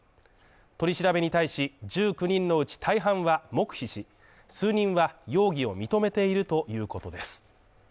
取り調べに対し１９人のうち大半は黙秘し、数人は容疑を認めているということです。